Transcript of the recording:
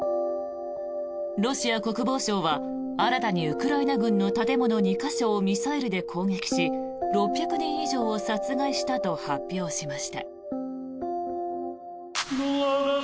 ロシア国防省は新たにウクライナ軍の建物２か所をミサイルで攻撃し６００人以上を殺害したと発表しました。